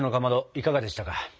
いかがでしたか？